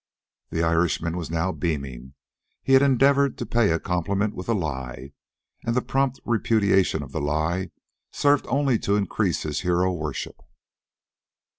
The Irishman was now beaming. He had endeavored to pay a compliment with a lie, and the prompt repudiation of the lie served only to increase his hero worship.